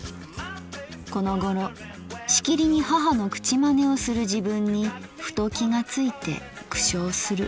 このごろしきりに母の口真似をする自分にふと気がついて苦笑する」。